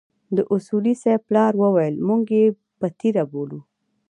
د اصولي صیب پلار وويل موږ يې پتيره بولو.